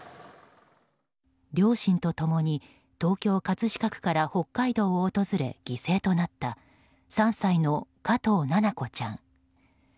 両親と共に東京・葛飾区から北海道を訪れ犠牲となった３歳の加藤七菜子ちゃん。